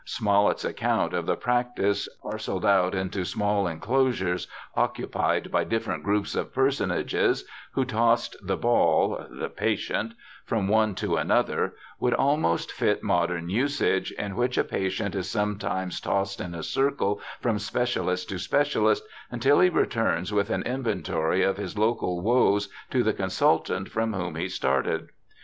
Smollett's account of the practice ' parcelled out into small enclosures, occupied by different groups of personages ', who tossed the ball [the patient] from one to another, would almost fit modern usage, in which a patient is sometimes tossed in a circle from specialist to specialist, until he returns with an inventory of his local woes to the consultant from whom he started.